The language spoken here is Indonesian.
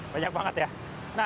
banyak banget ya